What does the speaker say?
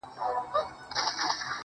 بې خبره له جهانه!